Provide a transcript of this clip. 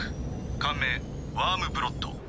艦名ワームブロッド。